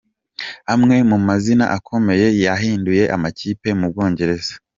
Amwe mu mazina akomeye yahinduye amakipe mu Bwongereza.